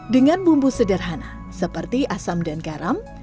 dengan bumbu sederhana seperti asam dan garam